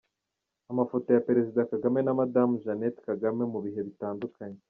Amafoto ya Perezida Kagame na Madamu Jeannette Kagame mu bihe bitandukanye.